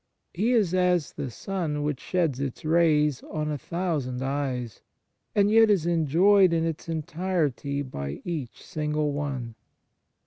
He is as the sun which sheds its rays on a thousand eyes, and yet is enjoyed in its entirety by each single one.